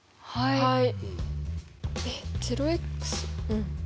はい。